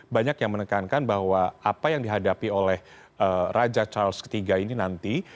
banyak yang menekankan bahwa apa yang dihadapi oleh raja charles iii ini nanti